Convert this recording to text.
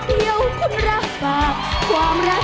เดี๋ยวคุณระฝากความรักจากใคร